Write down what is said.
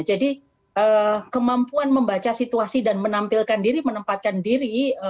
jadi kemampuan membaca situasi dan menampilkan diri menempatkan diri